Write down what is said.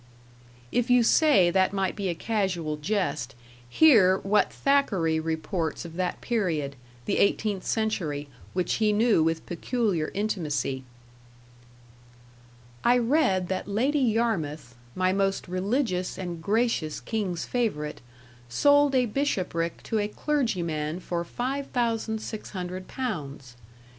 If you say that might be a casual jest, hear what Thackeray reports of that period, the eighteenth century, which he knew with peculiar intimacy: I read that Lady Yarmouth (my most religious and gracious King's favorite) sold a bishopric to a clergyman for 5600 pounds.